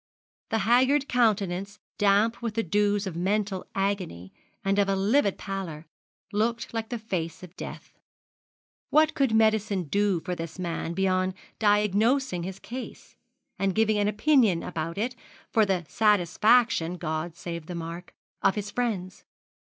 The haggard countenance, damp with the dews of mental agony, and of a livid pallor, looked like the face of death. What could medicine do for this man beyond diagnosing his case, and giving an opinion about it, for the satisfaction God save the mark! of his friends?